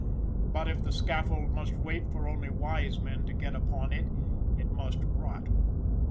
But if the scaffold must wait for only wise men to get upon it, it must rot.